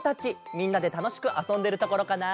みんなでたのしくあそんでるところかな？